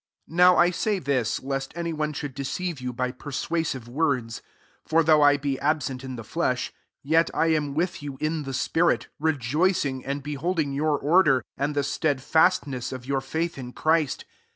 4 Now I say this, ^est any one should deceive you by per suasive words. 5 For though I be absent in the flesh, yet I am with you in the spirit, re joicing, and beholding your order, and the stedfastness of your faith in Christ.